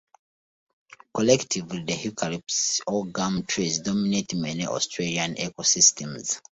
Collectively the eucalypts, or gum trees, dominate many Australian ecosystems.